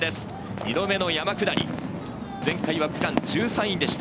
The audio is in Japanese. ２度目の山下り、前回は区間１３位でした。